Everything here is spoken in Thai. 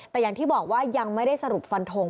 แต่อย่างที่บอกว่ายังไม่ได้สรุปฟันทง